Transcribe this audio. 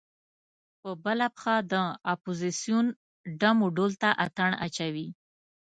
په بله پښه د اپوزیسون ډم و ډول ته اتڼ اچوي.